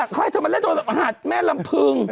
ไอะเธอบันไดโดนหาดแม่ลำพื้ง